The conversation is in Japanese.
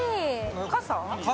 傘？